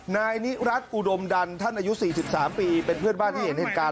นายนิรัติอุดมดันท่านอายุ๔๓ปีเป็นเพื่อนบ้านที่เห็นเหตุการณ์